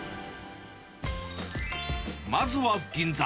まずは銀座。